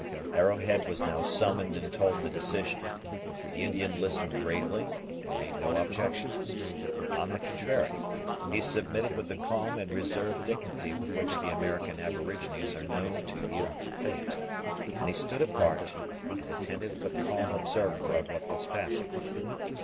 Arrowhead was now summoned and told the decision. The Indian listened gravely, and made no objections. On the contrary, he submitted with the calm and reserved dignity with which the American aborigines are known to yield to fate; and he stood apart, an attentive but calm observer of what was passing.